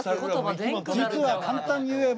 実は簡単に言えば。